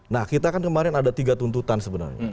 nah kita kan kemarin ada tiga tuntutan sebenarnya